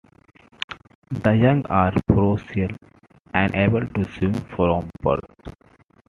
The young are precocial, and able to swim from birth.